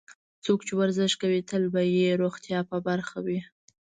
څوک چې ورزش کوي، تل به یې روغتیا په برخه وي.